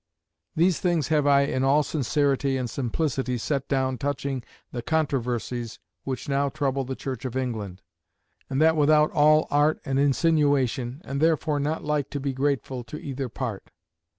These things have I in all sincerity and simplicity set down touching the controversies which now trouble the Church of England; and that without all art and insinuation, and therefore not like to be grateful to either part.